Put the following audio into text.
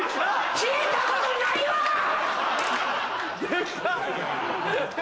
聞いたことないわ‼デカっ。